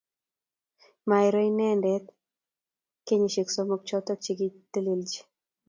Mairo inendet emh kenyisiek somok choto chekitlelchin